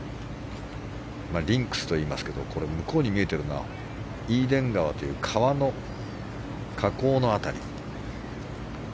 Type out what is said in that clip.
リンクスといいますけど向こうに見えていたのがイーデン川という川の河口の辺り。